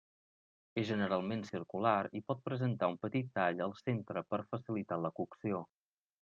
És generalment circular, i pot presentar un petit tall al centre per facilitar la cocció.